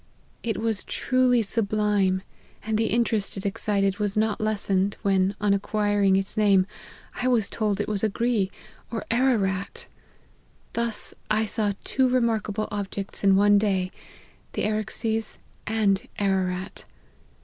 It was truly sublime, and the interest it excited was not lessened, when, on inquiring its name, I was told it was Agri, or Ararat. Thus I saw two remarka ble objects in one day, the Araxes, and Ararat.